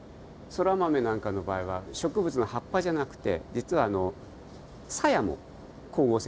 ソラマメなんかの場合は植物の葉っぱじゃなくて実はサヤも光合成をするんです。